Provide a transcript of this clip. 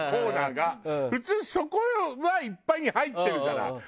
普通そこはいっぱいに入ってるじゃない。